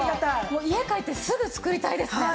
もう家帰ってすぐ作りたいですね。